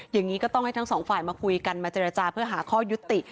อย่างนี้ก็ต้องให้ทั้งสองฝ่ายมาคุยกันมาเจรจาเพื่อหาข้อยุติ